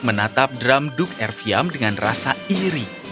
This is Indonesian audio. menatap dram duk erfiam dengan rasa iri